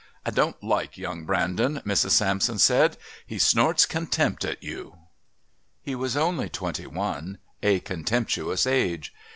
"I don't like young Brandon," Mrs. Sampson said. "He snorts contempt at you...." He was only twenty one, a contemptuous age.